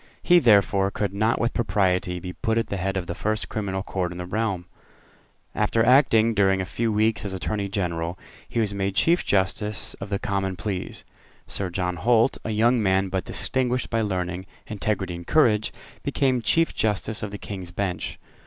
He, therefore, could not with propriety be put at the head of the first criminal court in the realm. After acting during a few weeks as Attorney General, he was made Chief Justice of the Common Pleas. Sir John Holt, a young man, but distinguished by learning, integrity, and courage, became Chief Justice of the King's Bench.